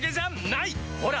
ほら！